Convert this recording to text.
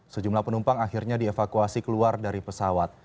sejumlah penumpang akhirnya dievakuasi keluar dari pesawat